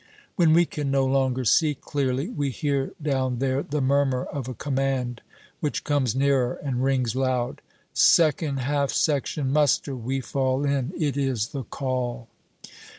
When we can no longer see clearly, we hear down there the murmur of a command, which comes nearer and rings loud "Second half section! Muster!" We fall in; it is the call.